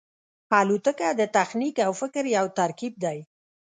الوتکه د تخنیک او فکر یو ترکیب دی.